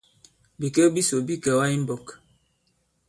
Bikek bisò bi kɛ̀wà i mbɔk.